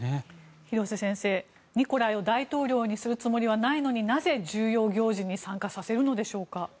廣瀬先生、ニコライを大統領にするつもりはないのになぜ重要行事に参加させるのでしょうか？